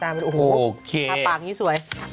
ทาปากอย่างงี้สวย